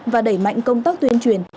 và đẩy mạnh công tác tuyên truyền